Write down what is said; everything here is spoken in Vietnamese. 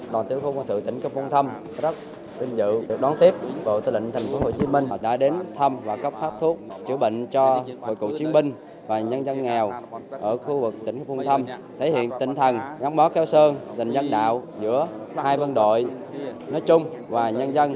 đoàn tiểu khu quân sự tp hcm rất tinh dự đón tiếp bộ tư lệnh tp hcm đã đến thăm và khám phát thuốc chữa bệnh cho bộ cụ chiến binh và nhân dân nghèo ở khu vực tp hcm thể hiện tinh thần ngắm bó kéo sơn dành giác đạo giữa hai vân đội nói chung và nhân dân